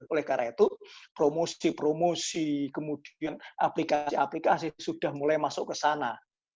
oleh karena itu promosi promosi kemudian aplikasi aplikasi sudah mulai masuk ke sana